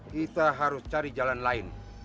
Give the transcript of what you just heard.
kita harus cari jalan lain